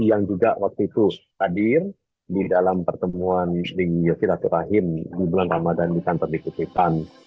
yang juga waktu itu hadir di dalam pertemuan di yosiratul rahim di bulan ramadhan di kantor di kutipan